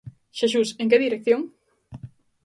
Xesús, en que dirección?